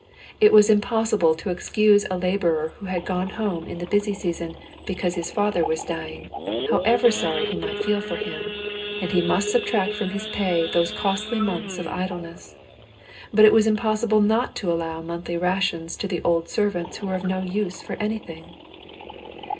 It was impossible to excuse a laborer who had gone home in the busy season because his father was dying, however sorry he might feel for him, and he must subtract from his pay those costly months of idleness. But it was impossible not to allow monthly rations to the old servants who were of no use for anything.